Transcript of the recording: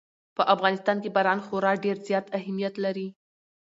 په افغانستان کې باران خورا ډېر زیات اهمیت لري.